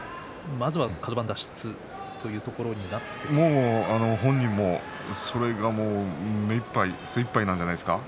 まずはカド番脱出というところに本人も、それが目いっぱいなんじゃないですか